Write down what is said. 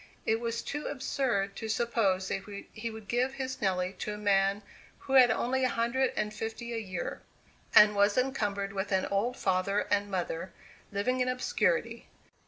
It was too absurd to suppose that he would give his Nelly to a man who had only a hundred and fifty a year, and was encumbered with an old father and mother, living in obscurity.